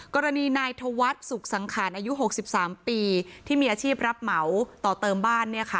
กรณีนายธวัฒน์สุขสังขารอายุ๖๓ปีที่มีอาชีพรับเหมาต่อเติมบ้าน